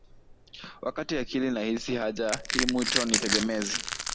Wakati akili inahisi haja hii ni wito tegemezi